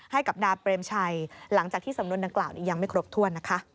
ให้กับดาเปรมชัยหลังจากที่สำนวนดังกล่าวนี้ยังไม่ครบถ้วนนะคะ